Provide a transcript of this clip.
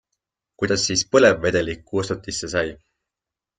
Kuidas siis põlevvedelik kustutisse sai?